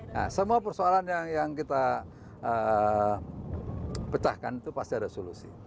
nah semua persoalan yang kita pecahkan itu pasti ada solusi